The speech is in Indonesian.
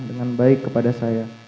dengan baik kepada saya